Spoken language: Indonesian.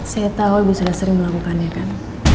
saya tahu ibu saya sering melakukannya kan